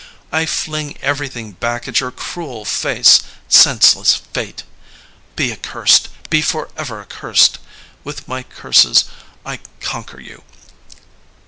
I fling everything back at your cruel face, senseless Fate I Be accursed, be forever accursed 1 With my curses I conquer you.